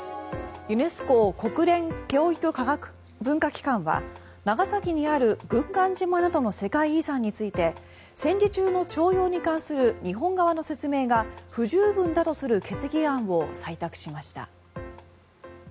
ユネスコ・国連教育科学文化機関は長崎にある軍艦島などの世界遺産について戦時中の徴用に関する日本側の説明が不十分だとする決議案を採択しました。